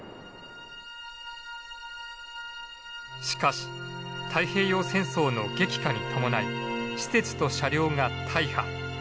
しかし太平洋戦争の激化に伴い施設と車両が大破。